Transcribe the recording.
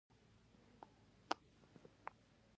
فاریاب د افغانستان د ځایي اقتصادونو بنسټ دی.